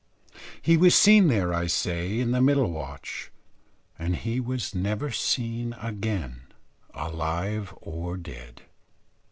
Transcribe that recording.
He was seen there, I say, in the middle watch; and he was never seen again alive or dead.